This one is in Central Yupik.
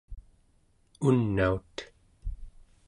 unaut